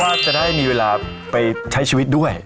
จะได้มีเวลาไปใช้ชีวิตด้วย